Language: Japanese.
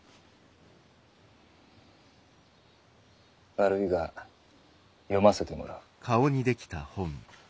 悪いが読ませてもらう。